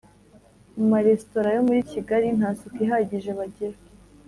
Mumaresitora yo muri Kigali ntasuku ihagije bagira